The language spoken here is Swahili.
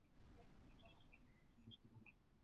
Lakini kiwango hiki ni kidogo.